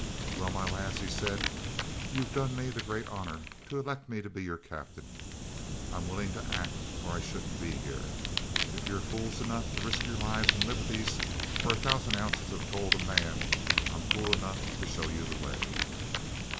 'Well, my lads,' he said, 'you've done me the great honour to elect me to be your captain. I'm willing to act, or I shouldn't be here. If you're fools enough to risk your lives and liberties for a thousand ounces of gold a man, I'm fool enough to show you the way.'